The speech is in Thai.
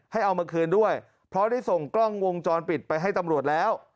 เอามาคืนด้วยเพราะได้ส่งกล้องวงจรปิดไปให้ตำรวจแล้ว